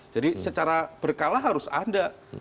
jadi secara berkala harus ada